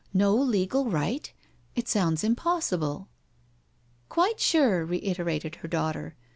"No legal right! It sounds impossible." '" Quite sure," reiterated her daughter.